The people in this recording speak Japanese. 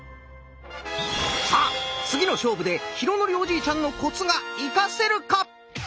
さあ次の勝負で浩徳おじいちゃんのコツが生かせるか？